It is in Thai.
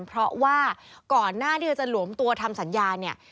เพราะว่าก่อนน่าจะหลวมตัวทำสัญญา